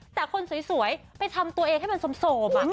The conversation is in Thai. แต่คนสวยไปทำตัวเองให้มันโสม